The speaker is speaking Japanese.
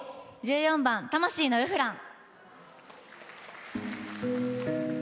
１４番「魂のルフラン」。